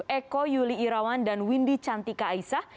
eko yuli irawan dan windy cantika aisah